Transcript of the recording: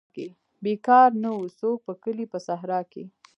بیکار نه وو څوک په کلي په صحرا کې.